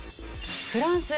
フランス。